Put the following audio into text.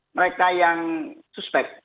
mereka yang suspek